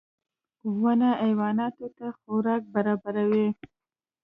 • ونه حیواناتو ته خوراک برابروي.